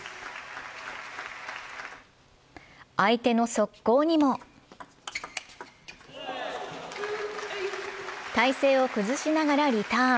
相手の速攻にも体勢を崩しながらリターン。